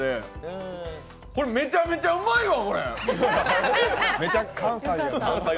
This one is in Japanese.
これ、めちゃめちゃうまいわ！